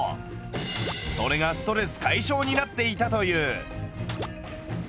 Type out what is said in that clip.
それがストレス解消になっていたという。